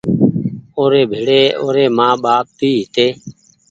اور ڀيڙي اوري مآن ٻآپ بي هيتي